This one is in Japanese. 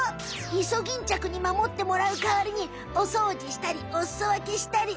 イソギンチャクに守ってもらうかわりにお掃除したりおすそわけしたり。